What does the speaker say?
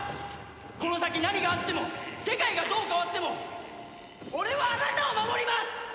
この先何があっても世界がどう変わっても俺はあなたを守ります！